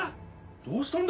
どうしたんだ？